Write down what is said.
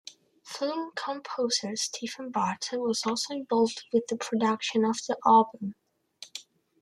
Film composer Stephen Barton was also involved with the production of the album.